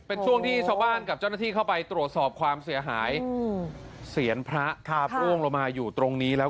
เป็นช่วงที่ชาวบ้านกับเจ้าหน้าที่เข้าไปตรวจสอบความเสียหายเสียนพระครับร่วงลงมาอยู่ตรงนี้แล้ว